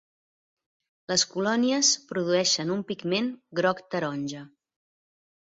Les colònies produeixen un pigment groc-taronja.